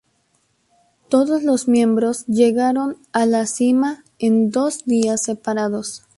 Todos los miembros llegaron a la cima, en dos días separados.